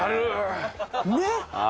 ねっ！